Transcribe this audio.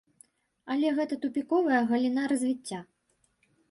Але гэта тупіковая галіна развіцця.